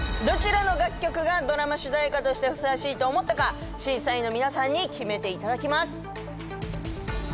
どちらの楽曲がドラマ主題歌としてふさわしいと思ったか審査員の皆さんに決めていただきます。